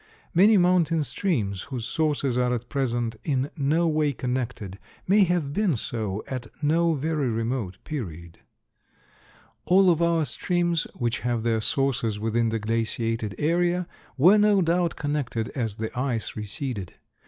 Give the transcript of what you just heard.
Many mountain streams whose sources are at present in no way connected may have been so at no very remote period. All of our streams which have their sources within the glaciated area were no doubt connected as the ice receded.